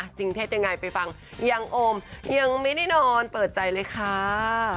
จริงเท็จยังไงไปฟังยังโอมยังไม่ได้นอนเปิดใจเลยค่ะ